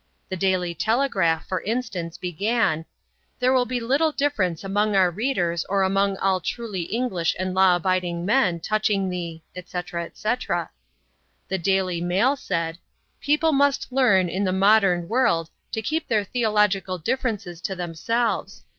The Daily Telegraph, for instance began, "There will be little difference among our readers or among all truly English and law abiding men touching the, etc. etc." The Daily Mail said, "People must learn, in the modern world, to keep their theological differences to themselves.